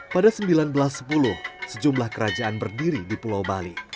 pada seribu sembilan ratus sepuluh sejumlah kerajaan berdiri di pulau bali